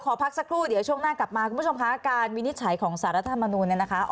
หมายถึงว่าคือเตรียมจะยื่นเหมือนกัน